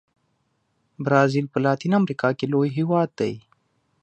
برازیل په لاتین امریکا کې لوی هېواد دی.